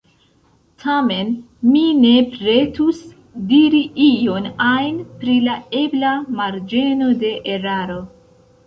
Tamen mi ne pretus diri ion ajn pri la ebla “marĝeno de eraro”.